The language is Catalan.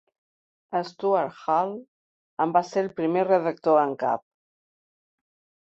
Stuart Hall en va ser el primer redactor en cap.